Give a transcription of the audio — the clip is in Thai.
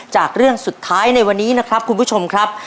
จากเรื่องสุดท้ายในวันนี้นะครับคุณผู้ชมครับ